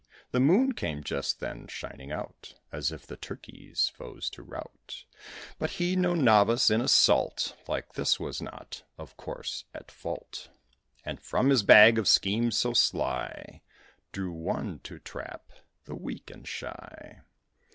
The moon came just then shining out, As if the Turkeys' foes to rout; But he, no novice in assault Like this, was not, of course, at fault; And from his bag of schemes so sly Drew one, to trap the weak and shy.